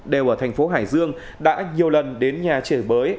đều ở thành phố hải dương đã nhiều lần đến nhà chửi bới